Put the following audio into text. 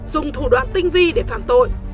dùng thủ đoạn tinh vi để phạm tội